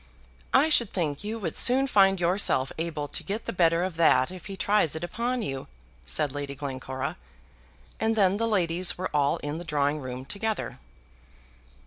"I should think you would soon find yourself able to get the better of that if he tries it upon you," said Lady Glencora; and then the ladies were all in the drawing room together.